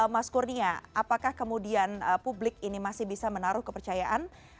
mas kurnia apakah kemudian publik ini masih bisa menaruh kepercayaan